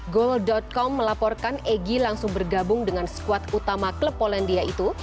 goal com melaporkan egy langsung bergabung dengan squad utama klub polandia itu